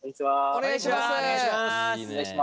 お願いします。